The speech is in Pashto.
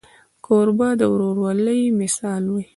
کوربه د ورورولۍ مثال وي.